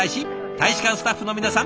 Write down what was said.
大使館スタッフの皆さん